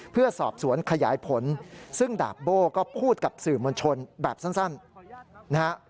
เพื่อสอบสวนขยายผลซึ่งดาบโบ้ก็พูดกับสื่อมวลชนแบบสั้นนะฮะ